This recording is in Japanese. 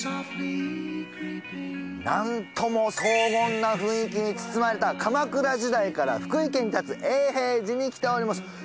なんとも荘厳な雰囲気に包まれた鎌倉時代から福井県に建つ永平寺に来ております。